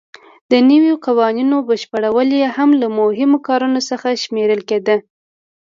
د نویو قوانینو بشپړول یې هم له مهمو کارونو څخه شمېرل کېده.